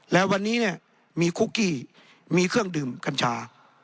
แล้ววันนี้เนี่ยมีคุกกี้มีเครื่องดื่มกัญชา